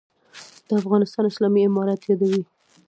«د افغانستان اسلامي امارت» یادوي.